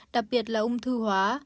đặc biệt là ung thư hóa